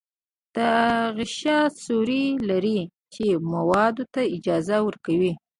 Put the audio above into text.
دا غشا سوري لري چې موادو ته اجازه ورکوي.